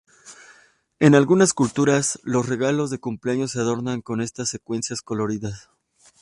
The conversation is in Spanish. En algunas culturas los regalos del cumpleaños se adornan con estas secuencias coloridas.